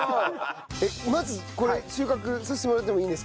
まずこれ収穫させてもらってもいいんですか？